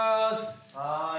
はい。